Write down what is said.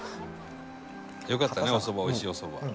よかったねおそばおいしいおそば。